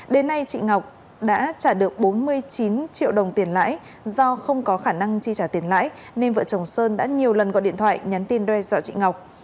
đến nay chị ngọc đã trả được bốn mươi chín triệu đồng tiền lãi do không có khả năng chi trả tiền lãi nên vợ chồng sơn đã nhiều lần gọi điện thoại nhắn tin đe dọa chị ngọc